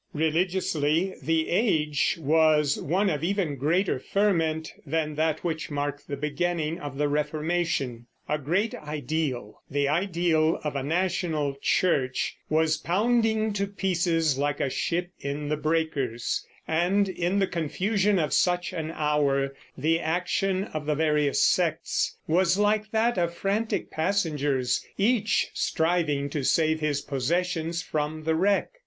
Religiously the age was one of even greater ferment than that which marked the beginning of the Reformation. A great ideal, the ideal of a national church, was pounding to pieces, like a ship in the breakers, and in the confusion of such an hour the action of the various sects was like that of frantic passengers, each striving to save his possessions from the wreck.